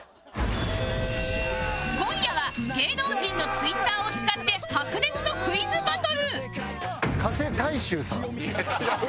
今夜は芸能人の Ｔｗｉｔｔｅｒ を使って白熱のクイズバトル！